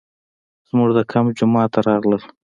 زموږ د کمپ جومات ته راغلل.